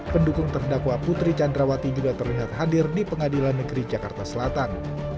pendukung terdakwa putri candrawati juga terlihat hadir di pengadilan negeri jakarta selatan